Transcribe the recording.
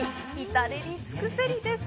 至れり尽くせりです。